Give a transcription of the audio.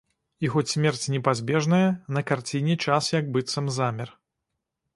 І хоць смерць непазбежная, на карціне час як быццам замер.